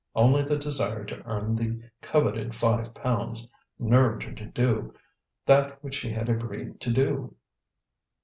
Only the desire to earn the coveted five pounds nerved her to do that which she had agreed to do.